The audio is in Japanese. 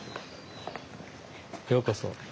ようこそ。